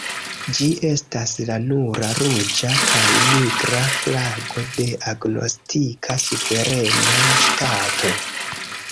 Ĝi estas la nura ruĝa kaj nigra flago de agnoskita suverena ŝtato.